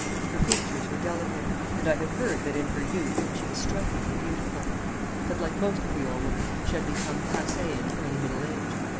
Her features were delicate, and I have heard that in her youth she was strikingly beautiful; but, like most Creole women, she had become passee in early middle age.